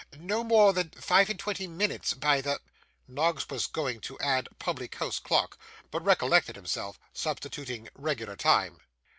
'Not more than five and twenty minutes by the ' Noggs was going to add public house clock, but recollecting himself, substituted 'regular time.